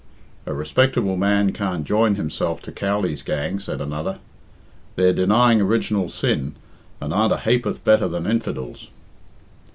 "A respectable man can't join himself to Cowley's gang," said another. "They're denying original sin, and aren't a ha'p'orth better than infidels."